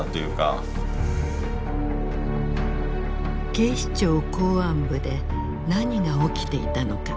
警視庁公安部で何が起きていたのか。